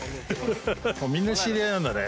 みんな知り合いなんだね。